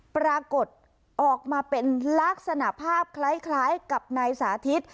ปรากฏออกมาเป็นลักษณะภาพคล้ายกับนายสาธิต